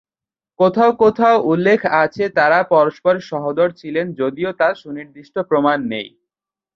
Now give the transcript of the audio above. কোথাও কোথাও উল্লেখ আছে তারা পরস্পরের সহোদর ছিলেন যদিও তার সুনির্দিষ্ট প্রমাণ নেই।